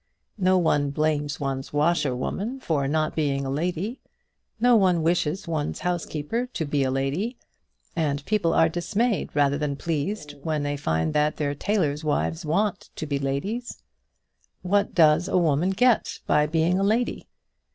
No one blames one's washerwoman for not being a lady. No one wishes one's housekeeper to be a lady; and people are dismayed, rather than pleased, when they find that their tailors' wives want to be ladies. What does a woman get by being a lady?